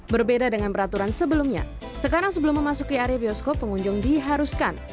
berbeda dengan peraturan sebelumnya sekarang sebelum memasuki area bioskop pengunjung diharuskan